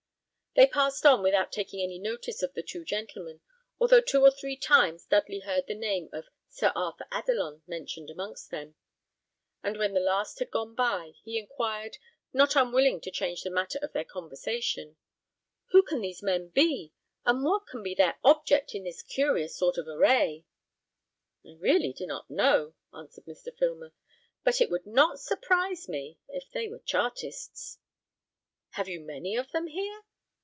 They passed on without taking any notice of the two gentlemen, although two or three times Dudley heard the name of Sir Arthur Adelon mentioned amongst them; and when the last had gone by, he inquired, not unwilling to change the matter of their conversation, "Who can these men be, and what can be their object in this curious sort of array?" "I really do not know," answered Mr. Filmer; "but it would not surprise me if they were Chartists." "Have you many of them here?"